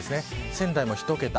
仙台も１桁。